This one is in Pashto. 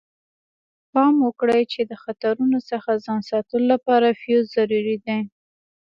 پام وکړئ چې د خطرونو څخه ځان ساتلو لپاره فیوز ضروري دی.